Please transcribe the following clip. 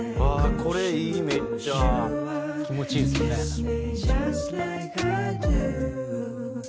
これいいめっちゃ」「気持ちいいですよね」